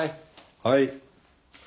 はい。